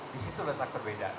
disitu letak perbedaan